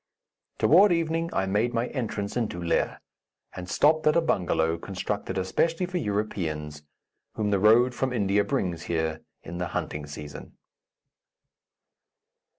Toward evening I made my entrance into Leh, and stopped at a bengalow constructed especially for Europeans, whom the road from India brings here in the hunting season.